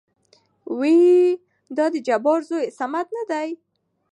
ويېېې دا د جبار زوى صمد نه دى ؟